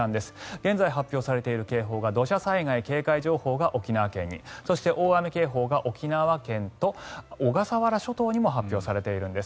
現在発表されている警報が土砂災害警戒情報が沖縄県にそして大雨警報が沖縄県と小笠原諸島にも発表されているんです。